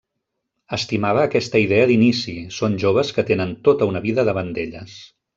Estimava aquesta idea d'inici, són joves que tenen tota una vida davant d'elles.